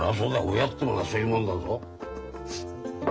親ってのはそういうもんだぞ。